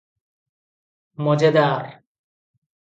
ମଜେଦାର!